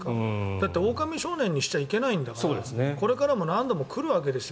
だって、おおかみ少年にしちゃいけないんだからこれからも何度も来るわけですよ